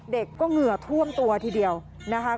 เด็กก็เหงื่อท่วมตัวทีเดียวนะคะ